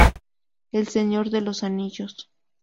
El Señor de los Anillos.